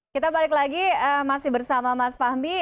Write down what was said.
kita balik lagi masih bersama mas fahmi